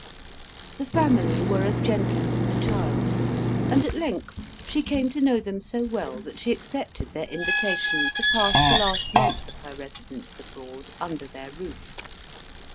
The family were as gentle as the child, and at length she came to know them so well that she accepted their invitation to pass the last month of her residence abroad under their roof.